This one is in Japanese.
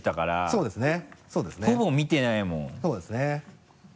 そうですよね。